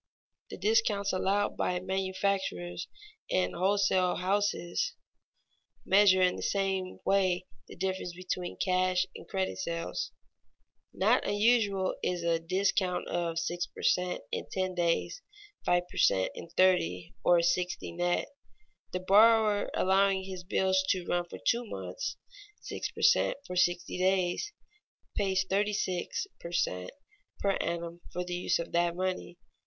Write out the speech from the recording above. The discounts allowed by manufacturers and wholesale houses measure in the same way the difference between cash and credit sales. Not unusual is a discount of "six per cent, in ten days, five per cent, in thirty, or sixty net." The buyer allowing his bills to run for two months (six per cent, for sixty days) pays thirty six per cent, per annum for the use of that money.